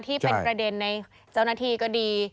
ที่เป็นประเด็นในเจ้าหน้าที่ก็ดี